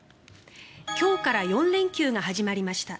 今日から４連休が始まりました。